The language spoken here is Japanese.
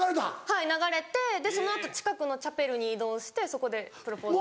はい流れてその後近くのチャペルに移動してそこでプロポーズ。